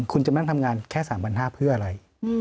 คุณจะนั่งทำงานแค่๓๕๐๐บาทเพื่ออะไร